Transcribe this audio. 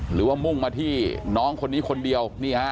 หรือว่ามุ่งมาที่น้องคนนี้คนเดียว